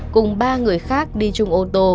cùng ba người khác đi chung ô tô